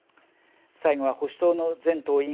最後は、保守党の全党員